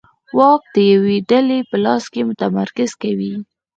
واک د یوې ډلې په لاس کې متمرکز کوي